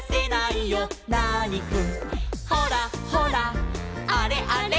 「ほらほらあれあれ」